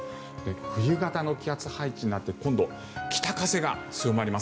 冬型の気圧配置になって今度、北風が強まります。